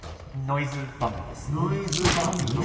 ノイズバンド？